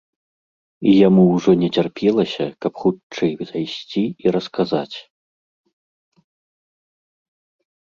І яму ўжо не цярпелася, каб хутчэй зайсці і расказаць.